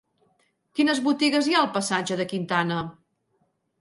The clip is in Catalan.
Quines botigues hi ha al passatge de Quintana?